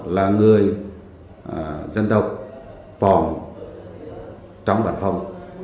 là người dân tộc phòng trong văn phòng